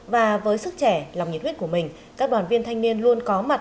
và với sức trẻ lòng nhiệt huyết của mình các đoàn viên thanh niên luôn có mặt